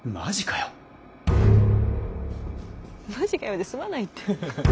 「マジかよ」で済まないって。